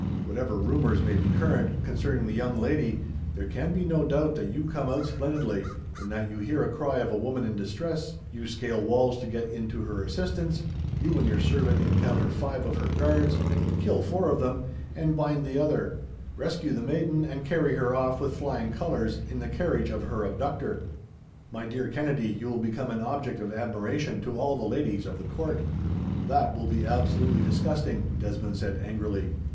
Whatever rumours may be current, concerning the young lady, there can be no doubt that you come out splendidly, in that you hear a cry of a woman in distress; you scale walls to get in to her assistance; you and your servant encounter five of her guards, kill four of them and bind the other; rescue the maiden, and carry her off, with flying colours, in the carriage of her abductor. My dear Kennedy, you will become an object of admiration to all the ladies of the court." "That will be absolutely disgusting," Desmond said, angrily.